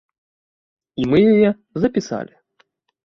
І мы яе запісалі.